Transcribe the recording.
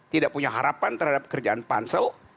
tidak punya harapan terhadap kerjaan pansel